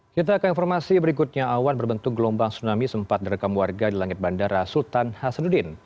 kita ke informasi berikutnya awan berbentuk gelombang tsunami sempat direkam warga di langit bandara sultan hasanuddin